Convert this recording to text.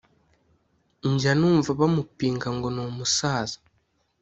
Njya numva bamupinga ngo n’umusaza